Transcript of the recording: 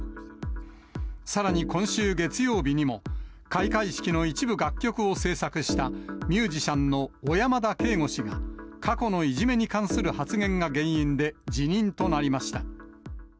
さらに今週月曜日にも、開会式の一部楽曲を制作した、ミュージシャンの小山田圭吾氏が、過去のいじめに関する発言が原因で辞任となりました。